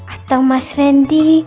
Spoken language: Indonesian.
atau mas randy